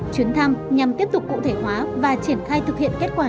chuyến thăm nhằm tiếp tục cụ thể hóa và triển khai thực hiện kết quả